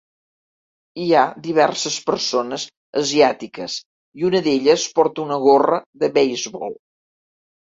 Hi ha diverses persones asiàtiques i una d'elles porta una gorra de beisbol.